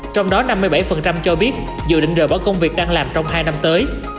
trong đó năm mươi bảy cho biết dự định rời bỏ công việc đang làm trong hai năm tới